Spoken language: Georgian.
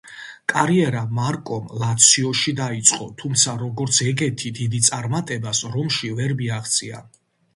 კარიერა მარკომ ლაციოში დაიწყო, თუმცა როგორც ეგეთი დიდ წარმატებას რომში ვერ მიაღწია.